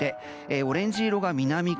オレンジ色が南風